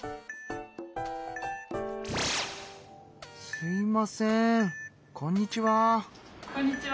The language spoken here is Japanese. すいませんこんにちは。